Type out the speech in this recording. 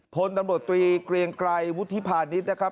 คุณตมตรตีเกรงไกลวุฒิพาณิตรนะครับ